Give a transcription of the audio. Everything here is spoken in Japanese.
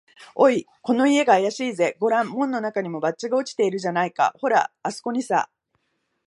「おい、この家があやしいぜ。ごらん、門のなかにも、バッジが落ちているじゃないか。ほら、あすこにさ」